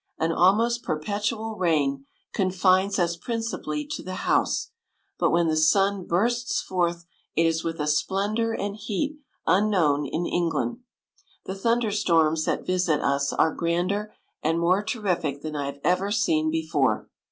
An almost perpetual rain confines us principally to the house ; but when the sun bursts forth it is with a splendour and heat unknown in Eng land. The thunder storms that visit us are grander and more terrific than I have ever seen before.